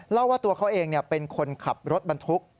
เล่าว่าตัวเขาเองเป็นคนขับรถบรรทุก